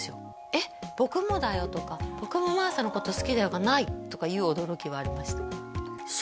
えっ僕もだよとか僕も真麻のこと好きだよがないとかいう驚きはありました